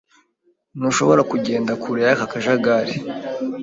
Ntushobora kugenda kure yaka kajagari.